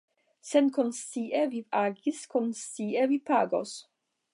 Senkonscie vi agis, konscie vi pagos.